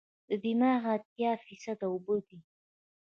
دماغ اتیا فیصده اوبه دي.